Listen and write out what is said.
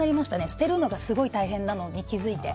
捨てるのがすごい大変なのに気づいて。